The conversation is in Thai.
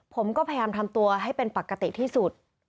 ผมก็พยายามทำตัวให้เป็นปกติที่สุด